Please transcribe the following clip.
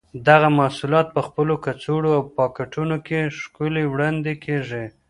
دغه محصولات په مختلفو کڅوړو او پاکټونو کې ښکلي وړاندې کېږي.